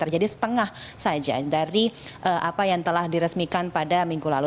jadi setengah saja dari apa yang telah diresmikan pada minggu lalu